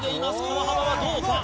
この幅はどうか？